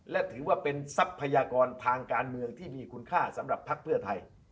และถือว่าเป็นทรัพยากรทางการเมืองที่มีคุณค่าสำหรับภักดิ์เพื่อไทย